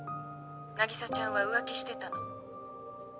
凪沙ちゃんは浮気してたの。